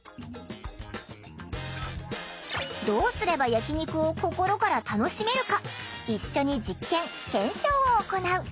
どうすれば焼き肉を心から楽しめるか一緒に実験・検証を行う。